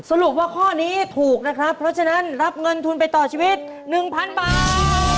สรุปว่าข้อนี้ถูกนะครับเพราะฉะนั้นรับเงินทุนไปต่อชีวิต๑๐๐๐บาท